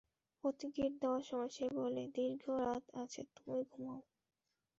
প্রতিটি গিট দেওয়ার সময় সে বলে, দীর্ঘ রাত আছে তুমি ঘুমাও!